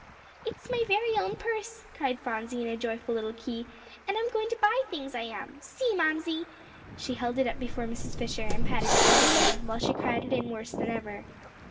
"It's my very own purse," cried Phronsie, in a joyful little key, "and I'm going to buy things, I am. See, Mamsie!" She held it up before Mrs. Fisher, and patted it lovingly, while she crowded in worse than ever.